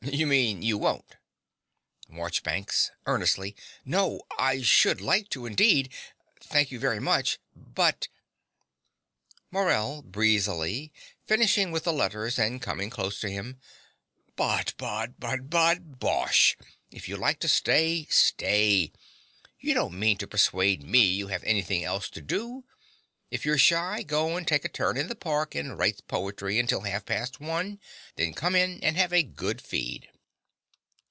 You mean you won't. MARCHBANKS (earnestly). No: I should like to, indeed. Thank you very much. But but MORELL (breezily, finishing with the letters and coming close to him). But but but but bosh! If you'd like to stay, stay. You don't mean to persuade me you have anything else to do. If you're shy, go and take a turn in the park and write poetry until half past one; and then come in and have a good feed.